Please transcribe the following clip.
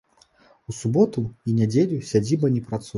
У суботу і нядзелю сядзіба не працуе.